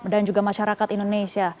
dan juga masyarakat indonesia